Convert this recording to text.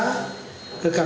kita harus melakukan